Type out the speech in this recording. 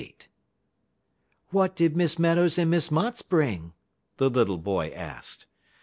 "What did Miss Meadows and Miss Motts bring?" the little boy asked.